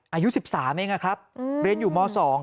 อายุ๑๓เองครับเรียนอยู่ม๒